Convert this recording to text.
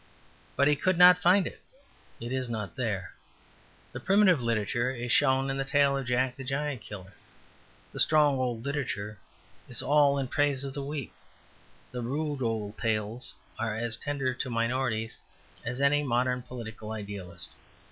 But he could not find it. It is not there. The primitive literature is shown in the tale of Jack the Giant Killer. The strong old literature is all in praise of the weak. The rude old tales are as tender to minorities as any modern political idealist.